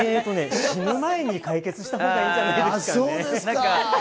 死ぬ前に解決したほうがいいんじゃないですかね？